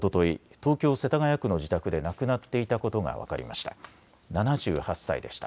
東京世田谷区の自宅で亡くなっていたことが分かりました。